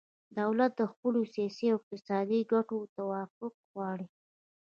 دولت د خپلو سیاسي او اقتصادي ګټو توافق غواړي